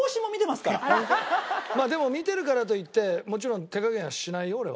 まあでも見てるからといってもちろん手加減はしないよ俺は。